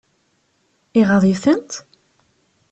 Iɣaḍ-itent?